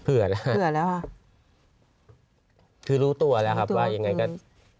เผื่อแล้วเผื่อแล้วค่ะคือรู้ตัวแล้วครับว่ายังไงก็